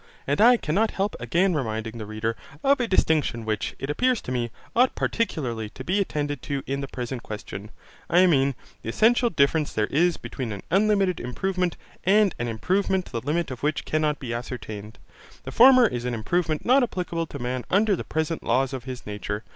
And I cannot help again reminding the reader of a distinction which, it appears to me, ought particularly to be attended to in the present question: I mean, the essential difference there is between an unlimited improvement and an improvement the limit of which cannot be ascertained. The former is an improvement not applicable to man under the present laws of his nature.